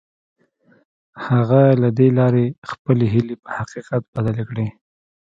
هغه له دې لارې خپلې هيلې په حقيقت بدلې کړې.